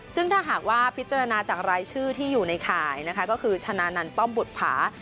ซึ่งถ้าหากว่าพิจารณาจากรายชื่อที่อยู่ในข่ายนะคะก็คือชนะนันต์ป้อมบุตรผา